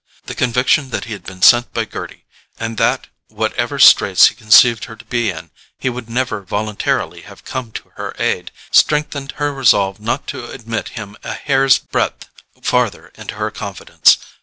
The conviction that he had been sent by Gerty, and that, whatever straits he conceived her to be in, he would never voluntarily have come to her aid, strengthened her resolve not to admit him a hair's breadth farther into her confidence.